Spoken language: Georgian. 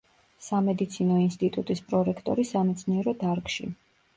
სამედიცინო ინსტიტუტის პრორექტორი სამეცნიერო დარგში.